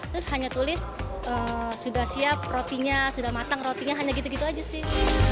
terus hanya tulis sudah siap rotinya sudah matang rotinya hanya gitu gitu aja sih